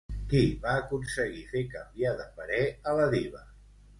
Qui va aconseguir fer canviar de parer a la diva?